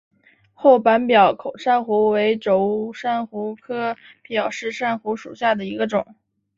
厚板表孔珊瑚为轴孔珊瑚科表孔珊瑚属下的一个种。